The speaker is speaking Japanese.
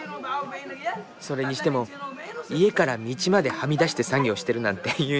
それにしても家から道まではみ出して作業してるなんてユニーク。